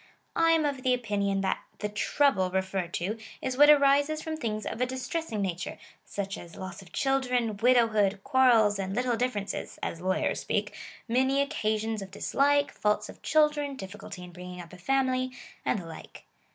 I am of opinion that the trouble re ferred to is what arises from things of a distressing nature, such as loss of children, widowhood, quarrels, and little differences, (as lawyers speak,) 2 many occasions of dislike, faults of children, diflSculty in bringing up a family, and the like.